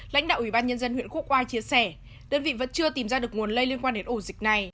lãnh đạo ủy ban nhân dân huyện quốc oai chia sẻ đơn vị vẫn chưa tìm ra được nguồn lây liên quan đến ổ dịch này